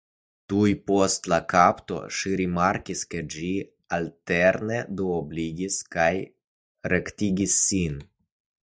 Tuj post la kapto ŝi rimarkis ke ĝi alterne duobligas kaj rektigas sin.